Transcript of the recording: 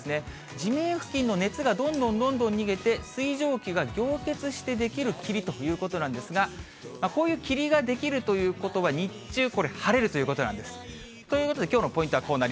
地面付近の熱がどんどんどんどん逃げて、水蒸気が凝縮して出来る霧ということなんですが、こういう霧が出来るということは、日中、これ晴れるということなんです。